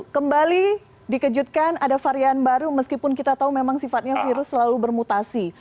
kembali dikejutkan ada varian baru meskipun kita tahu memang sifatnya virus selalu bermutasi